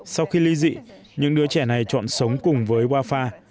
sau khi ly dị những đứa trẻ này chọn sống cùng với rafa